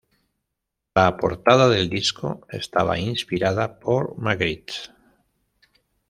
La portada del disco estaba inspirada por Magritte.